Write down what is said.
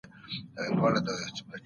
د زکات فریضه په مالدارانو لازمه ده.